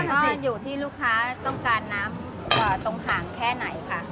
ซ่อนอยู่ที่ลูกค้าต้องการน้ำตรงห่างแค่ไหนค่ะ